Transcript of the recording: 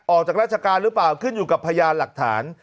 ออกจากราชการหรือเปล่าขึ้นอยู่กับพยานหลักฐาน